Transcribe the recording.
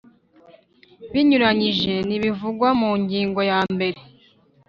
Binyuranyije nibivugwa mu ngingo yambere